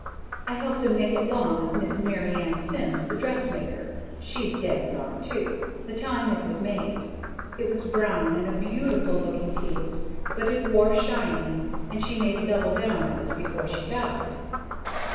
I helped 'em make it 'long of Mary Ann Simms the dressmaker, she's dead and gone too, the time it was made. It was brown, and a beautiful looking piece, but it wore shiny, and she made a double gown of it before she died."